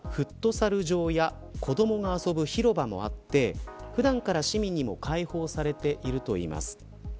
内部には、フットサル場や子どもが遊ぶ広場もあって普段から市民にも開放されているといいます。